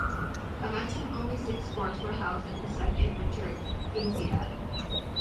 Events from only six sports were held in the Second Winter Asiad.